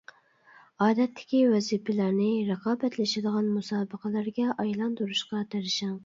ئادەتتىكى ۋەزىپىلەرنى رىقابەتلىشىدىغان مۇسابىقىلەرگە ئايلاندۇرۇشقا تىرىشىڭ.